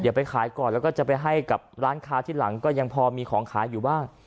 เดี๋ยวไปขายก่อนแล้วก็จะไปให้กับร้านค้าที่หลังก็ยังพอมีของขายอยู่บ้าง